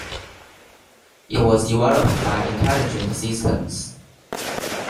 It was developed by Intelligent Systems.